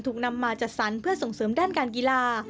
นำมาจัดสรรเพื่อส่งเสริมด้านการกีฬา